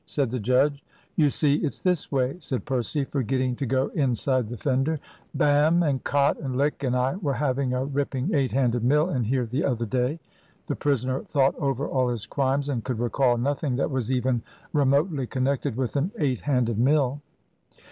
said the judge. "You see, it's this way," said Percy, forgetting to go inside the fender "Bam, and Cot, and Lick and I were having a ripping eight handed mill in here the other day " The prisoner thought over all his crimes, and could recall nothing that was even remotely connected with an eight handed mill.